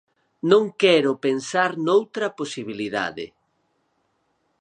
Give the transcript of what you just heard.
Non quero pensar noutra posibilidade.